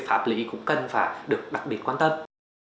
pháp lý cũng cần phải được đặc biệt quan tâm